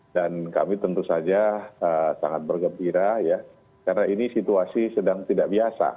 dan kami tentu saja sangat bergembira ya karena ini situasi sedang tidak biasa